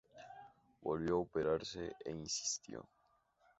Volvió a operarse e insistió.